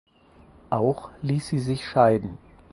Auch ließ sie sich scheiden.